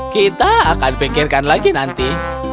kita akan pikirkan lagi nanti